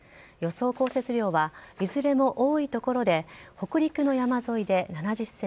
予想降雪量はいずれも多い所で北陸の山沿いで７０ｃｍ